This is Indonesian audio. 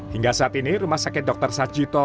hingga saat ini rumah sakit dr sarjito